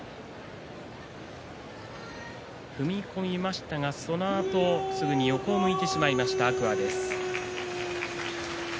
踏み込みましたがそのあと、すぐ横を向いてしまいました天空海です。